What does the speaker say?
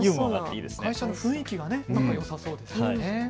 会社の雰囲気がよさそうですね。